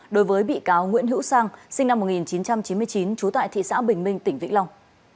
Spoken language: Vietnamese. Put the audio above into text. đối với bị cáo nguyễn hữu sang sinh năm một nghìn chín trăm chín mươi chín trú tại thị xã bình minh tỉnh vĩnh long